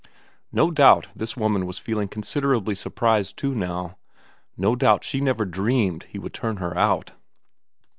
No doubt this woman was feeling consider ably surprised too now ; no doubt she never dreamt he would turn her out.